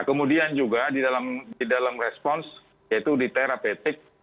kemudian juga di dalam respons yaitu di terapetik